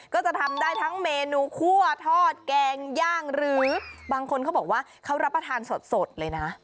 ก็จะทำได้ทั้งเมนูคั่วทอดแกงย่างหรือบางคนเขาบอกว่าเขารับประทานสดเลยนะ